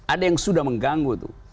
ada yang sudah mengganggu